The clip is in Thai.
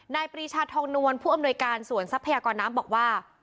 ปรีชาทองนวลผู้อำนวยการสวนทรัพยากรน้ำบอกว่า